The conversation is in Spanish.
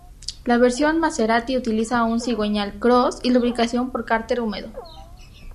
La versión Maserati utiliza un cigüeñal "cross", y lubricación por cárter húmedo.